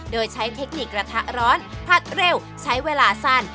โดยใช้เทคนิคกระทะร้อนผัดเร็วใช้เวลาสั้น